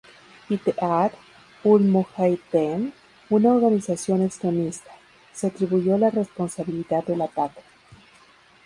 Ittehad-ul-Mujahideen, una organización extremista, se atribuyó la responsabilidad del ataque.